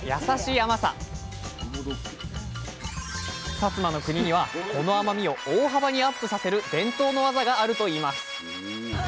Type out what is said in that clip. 薩摩の国にはこの甘みを大幅にアップさせる伝統の技があるといいます。